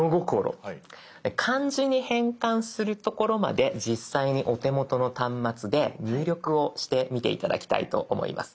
漢字に変換するところまで実際にお手元の端末で入力をしてみて頂きたいと思います。